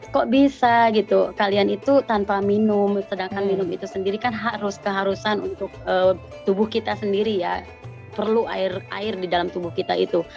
kok bisa gitu kalian itu tanpa minum sedangkan minum itu sendiri kan harus keharusan untuk tubuh kita sendiri ya perlu air air di dalam tubuh kita itu